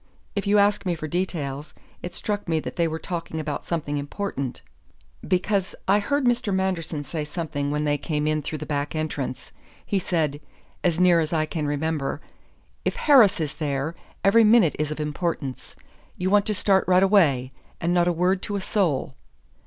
If you ask me for details, it struck me they were talking about something important, because I heard Mr. Manderson say something when they came in through the back entrance. He said, as near as I can remember: 'If Harris is there, every minute is of importance. You want to start right away. And not a word to a soul.'